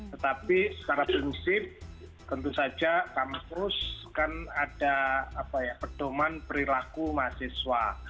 tetapi secara prinsip tentu saja kampus kan ada pedoman perilaku mahasiswa